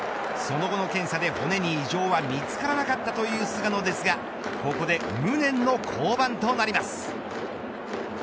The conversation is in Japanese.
その後の検査で骨に異常は見つからなかったという菅野ですがここで無念の降板となります。